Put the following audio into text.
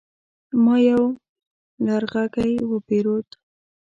ما يو لرغږی وپيرود